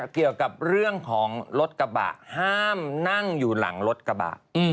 เกี่ยวกับเรื่องของรถกระบะห้ามนั่งอยู่หลังรถกระบะ